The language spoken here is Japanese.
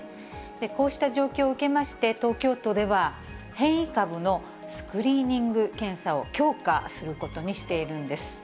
こうした状況を受けまして東京都では、変異株のスクリーニング検査を強化することにしているんです。